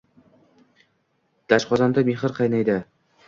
Doshqozonda mehr qaynaydi...